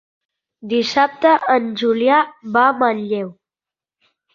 Dissabte en Julià va a Manlleu.